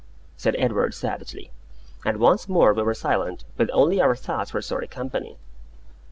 said Edward, savagely; and once more we were silent, with only our thoughts for sorry company.